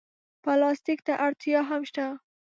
پلاستيک ته اړتیا هم شته.